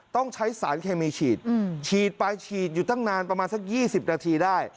ต้องใช้สารแขมมีฉีดอืมฉีดไปชีดอยู่ตั้งนานประมาณสักยี่สิบนาทีได้